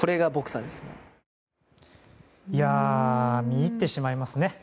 見入ってしまいますね。